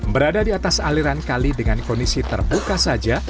berada di atas aliran kali dengan kondisi terbuka saja